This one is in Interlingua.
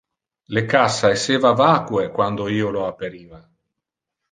Le cassa esseva vacue quando io lo aperiva.